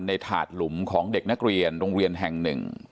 ถาดหลุมของเด็กนักเรียนโรงเรียนแห่งหนึ่ง